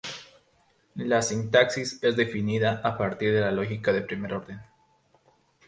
La sintaxis es definida a partir de la lógica de primer orden.